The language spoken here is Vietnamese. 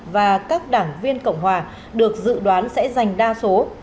và các đảng viên cộng hòa được dự đoán sẽ giành đa số